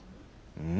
うん？